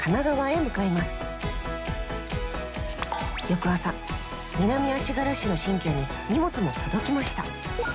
翌朝南足柄市の新居に荷物も届きました。